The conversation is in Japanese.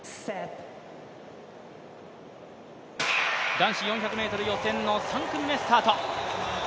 男子４００ｍ予選の３組目スタート。